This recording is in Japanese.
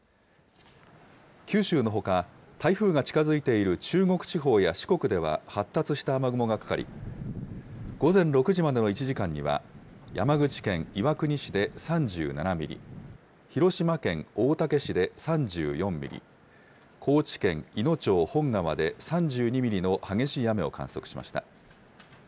九州のほか、台風が近づいている中国地方や四国では、発達した雨雲がかかり、午前６時までの１時間には、山口県岩国市で３７ミリ、広島県大竹市で３４ミリ、高知県いの町本川で３２ミリの激しい雨を観測しました。